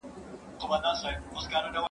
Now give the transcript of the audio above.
سکولاستيک د علمي بحث یوه ځانګړې وسیله وه.